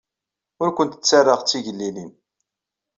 Ur kent-ttarraɣ d tigellilin.